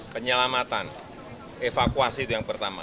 penyelamatan evakuasi itu yang pertama